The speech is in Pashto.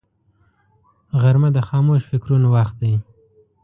غرمه د خاموش فکرونو وخت دی